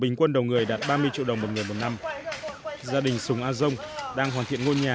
bình quân đầu người đạt ba mươi triệu đồng một người một năm gia đình sùng a dông đang hoàn thiện ngôi nhà